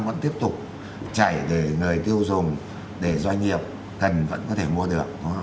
vẫn tiếp tục chảy để người tiêu dùng để doanh nghiệp cần vẫn có thể mua được